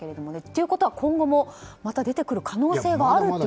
ということは、今後もまた出てくる可能性はあると。